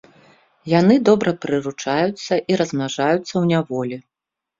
Яны добра прыручаюцца і размнажаюцца ў няволі.